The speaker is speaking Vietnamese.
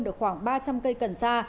được khoảng ba trăm linh cây cần sa